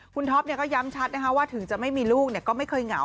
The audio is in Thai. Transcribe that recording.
คุณท็อปก็ย้ำชัดนะคะว่าถึงจะไม่มีลูกก็ไม่เคยเหงา